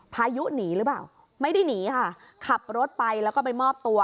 พายุหนีหรือเปล่าไม่ได้หนีค่ะขับรถไปแล้วก็ไปมอบตัว